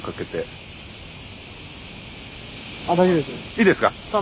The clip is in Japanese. いいですか？